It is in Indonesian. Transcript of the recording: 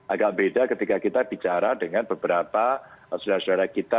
agak beda ketika kita bicara dengan beberapa saudara saudara kita